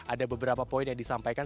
ada beberapa poin yang disampaikan